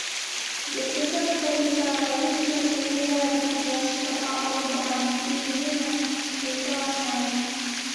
Гөлсәсәк ҡыҙым да район етәксеһе лә, ҙур врачтарға алып барам, ти ине лә, ризалашманым.